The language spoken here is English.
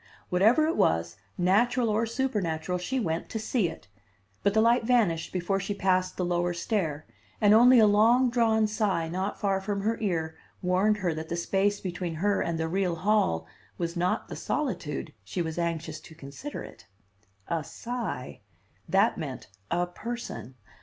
Whatever it was, natural or supernatural, she went to see it; but the light vanished before she passed the lower stair, and only a long drawn sigh not far from her ear warned her that the space between her and the real hall was not the solitude she was anxious to consider it. A sigh! That meant a person.